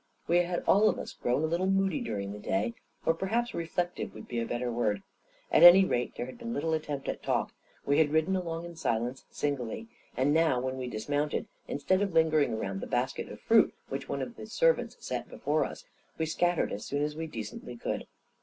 We had all of us grown a little moody during the day — or perhaps reflective would be a better word. At any rate, there had been little attempt at talk; we had ridden along in silence, singly; and now, when we dismounted, instead of lingering around the basket of fruit which one of the servants set before us, we scattered as soon as we decently could.